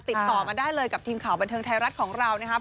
ติดต่อมาได้เลยกับทีมข่าวบันเทิงไทยรัฐของเรานะครับ